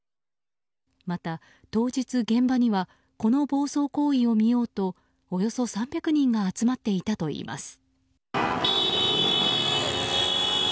また、当日現場にはこの暴走行為を見ようとおよそ３００人が集まっていたといいます。